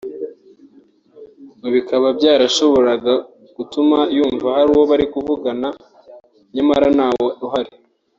ngo bikaba byarashoboraga gutuma yumva hari uwo bavugana nyamara ntawe uhari